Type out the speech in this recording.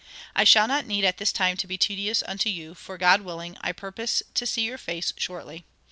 "I shall not need at this time to be tedious unto you, for, God willing, I purpose to see your face shortly.